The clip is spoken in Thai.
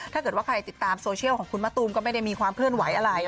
ถ้าเกิดว่าใครติดตามโซเชียลของคุณมะตูมก็ไม่ได้มีความเคลื่อนไหวอะไร